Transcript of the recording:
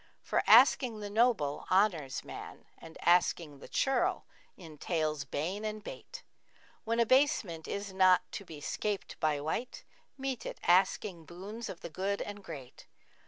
For asking the noble honours man * And asking the churl entails bane and bate: When abasement is not to be 'scaped by wight * Meet it asking boons of the good and great.